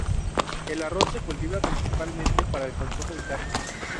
El arroz se cultiva principalmente para el consumo interno.